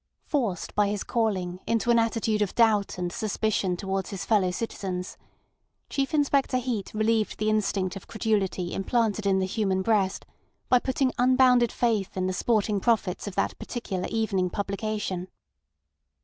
Forced by his calling into an attitude of doubt and suspicion towards his fellow citizens, Chief Inspector Heat relieved the instinct of credulity implanted in the human breast by putting unbounded faith in the sporting prophets of that particular evening publication.